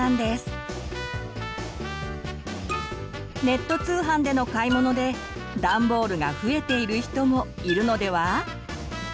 ネット通販での買い物でダンボールが増えている人もいるのでは？